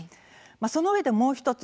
そのうえで、もう１つ。